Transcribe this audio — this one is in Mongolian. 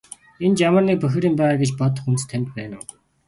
Энд ямар нэг бохир юм байгаа гэж бодох үндэс танд байна уу?